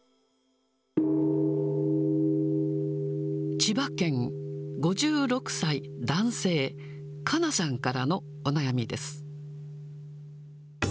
千葉県、５６歳、男性、かなさんからのお悩みです。